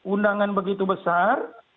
undangan begitu besar